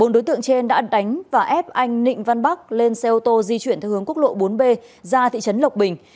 bốn đối tượng trên đã đánh và ép anh nịnh văn bắc lên xe ô tô di chuyển theo hướng quốc lộ bốn b ra thị trấn lộc bình